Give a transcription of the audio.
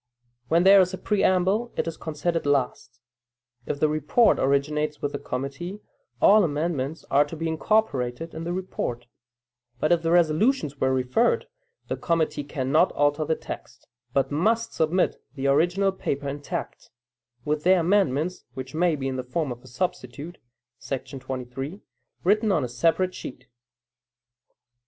When there is a preamble, it is considered last. If the report originates with the committee, all amendments are to be incorporated in the report; but, if the resolutions were referred, the committee cannot alter the text, but must submit the original paper intact, with their amendments (which may be in the form of a substitute, § 23) written on a separate sheet.